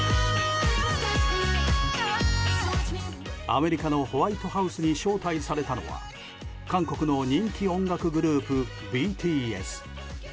アメリカのホワイトハウスに招待されたのは韓国の人気音楽グループＢＴＳ。